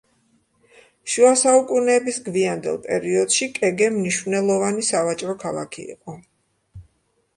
შუა საუკუნეების გვიანდელ პერიოდში კეგე მნიშვნელოვანი სავაჭრო ქალაქი იყო.